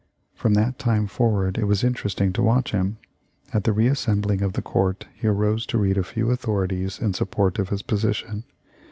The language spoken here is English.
From that time forward it was interesting to watch him. At the reassembling of court he arose to read a few author ities in support of his position.